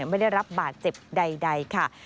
ไม่ได้รับบาดเจ็บใดค่ะ